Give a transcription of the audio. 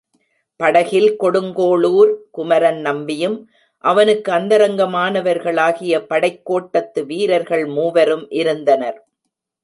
படகில் கொடுங்கோளுர் குமரன் நம்பியும் அவனுக்கு அந்தரங்கமானவர்களாகிய படைக் கோட்டத்து வீரர்கள் மூவரும் இருந்தனர்.